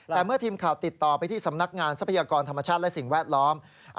แต่เมื่อทีมข่าวติดต่อไปที่สำนักงานทรัพยากรธรรมชาติและสิ่งแวดล้อม